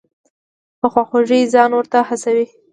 په خواخوږۍ ځان ورته هڅوي.